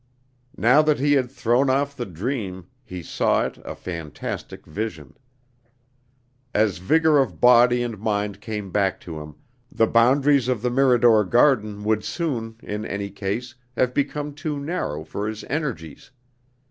Now that he had thrown off the dream, he saw it a fantastic vision. As vigor of body and mind came back to him, the boundaries of the Mirador garden would soon, in any case, have become too narrow for his energies.